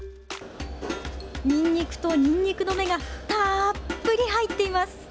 にんにくと、にんにくの芽がたっぷり入っています！